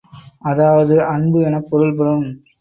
அதாவது அன்பு எனப் பொருள்படும்.